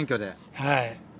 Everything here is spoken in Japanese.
はい。